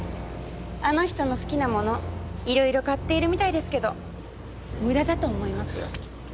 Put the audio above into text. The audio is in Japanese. あの人の好きなもの色々買っているみたいですけど無駄だと思いますよ。